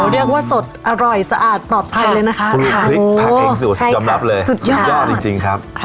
เรียกว่าสดอร่อยสะอาดปลอดภัยเลยนะคะพริกผักเองสุดยอมรับเลยสุดยอดจริงจริงครับ